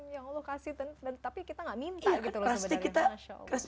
yang allah kasih tapi kita gak minta gitu loh sebenarnya